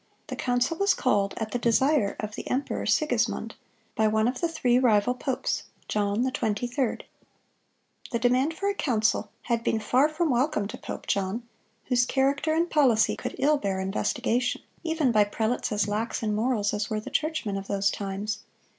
The council was called at the desire of the emperor Sigismund, by one of the three rival popes, John XXIII. The demand for a council had been far from welcome to Pope John, whose character and policy could ill bear investigation, even by prelates as lax in morals as were the churchmen of those times.